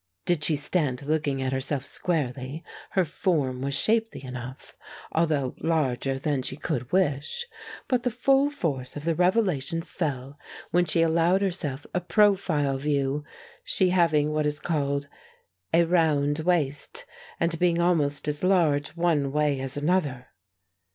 Did she stand looking at herself squarely, her form was shapely enough, although larger than she could wish; but the full force of the revelation fell when she allowed herself a profile view, she having what is called "a round waist," and being almost as large one way as another.